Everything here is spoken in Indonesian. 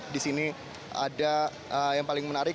disini ada yang paling menarik